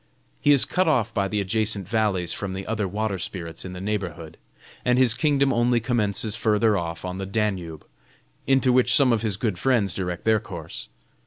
He is cut off by the adjacent valleys from the other water spirits in the neighborhood, and his kingdom only commences further off on the Danube, into which some of his good friends direct their course.